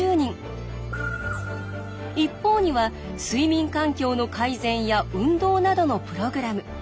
一方には睡眠環境の改善や運動などのプログラム。